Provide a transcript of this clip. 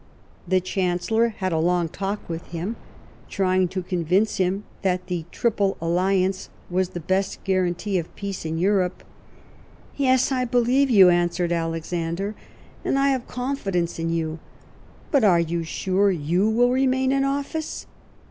The Chancellor had a long talk with him, trying to convince him that the Triple Alliance was the best guarantee of peace in Europe. " Yes, I believe you," answered Alexander, " and 226 Last Fights I have confidence in you ; but are you sure you will remain in office